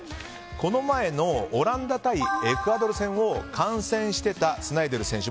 この前のオランダ対エクアドル戦を観戦していたスナイデル選手